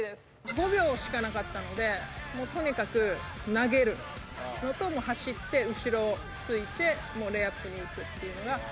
５秒しかなかったのでもうとにかく投げるのともう走って後ろついてレイアップにいくっていうのが作戦だった。